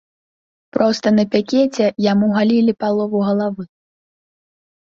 Проста на пікеце яму галілі палову галавы.